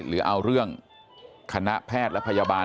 หรือเอาเรื่องคณะแพทย์และพยาบาล